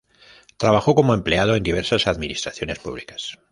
Trabajó como empleado en diversas administraciones públicas.